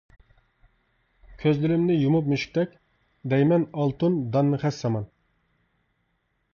كۆزلىرىمنى يۇمۇپ مۈشۈكتەك، دەيمەن ئالتۇن داننى «خەس-سامان» .